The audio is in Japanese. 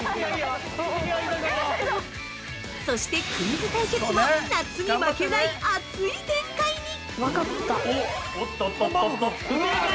そしてクイズ対決も夏に負けない熱い展開に！